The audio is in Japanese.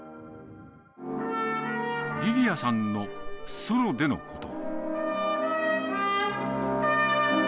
りりあさんのソロでのこと。